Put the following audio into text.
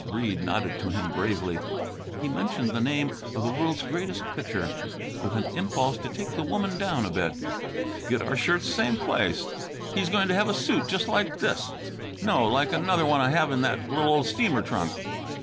Breede nodded to him bravely. He mentioned the name of the world's greatest pitcher, with an impulse to take the woman down a bit. "Get our shirts same place; he's going to have a suit just like this no, like another one I have in that little old steamer trunk."